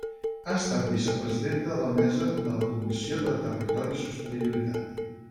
Ha estat vicepresidenta de la mesa de la Comissió de Territori i Sostenibilitat.